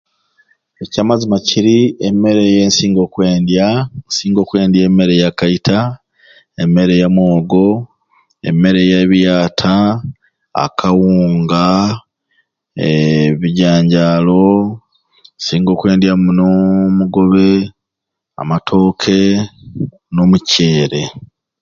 Ekyamazima kiri emmere gyensinga okwendya, nsinga okwendya emmere ya kaita, emmere ya mwogo, Emmere ya biata, akawunga, ee ebijanjaalo, nsinga kwendya munoo omugobe, amatooke n'omuceere.